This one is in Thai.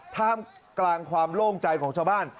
ท่ามกลางความโล่งใจของชาวบ้าน